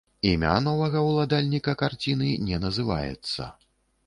Імя новага ўладальніка карціны не называецца.